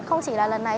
thì sao đây